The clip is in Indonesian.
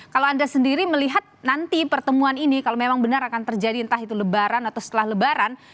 kalau anda sendiri melihat nanti pertemuan ini kalau memang benar akan terjadi entah itu lebaran atau setelah lebaran